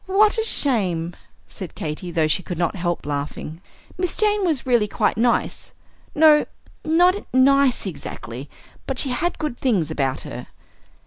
"What a shame!" said Katy, though she could not help laughing. "Miss Jane was really quite nice, no, not nice exactly, but she had good things about her."